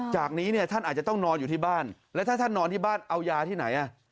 จากนี้เนี่ยท่านอาจจะต้องนอนอยู่ที่บ้านแล้วถ้าท่านนอนที่บ้านเอายาที่ไหน